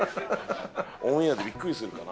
オンエアでびっくりするかな。